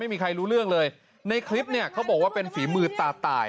ไม่มีใครรู้เรื่องเลยในคลิปเนี่ยเขาบอกว่าเป็นฝีมือตาตาย